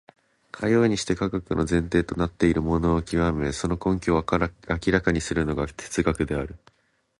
かようにして科学の前提となっているものを究め、その根拠を明らかにするのが哲学である。